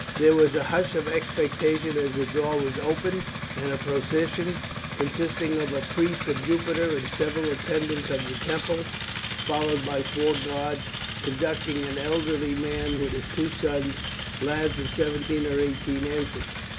There was a hush of expectation as the door was opened, and a procession, consisting of a priest of Jupiter and several attendants of the temple, followed by four guards conducting an elderly man with his two sons, lads of seventeen or eighteen, entered.